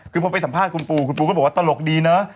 คือพอไปสัมภาษณ์คุณปูคุณปูก็บอกว่าตลกดีเนอะ